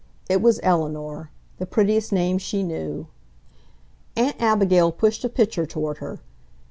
It was Eleanor, the prettiest name she knew. Aunt Abigail pushed a pitcher toward her.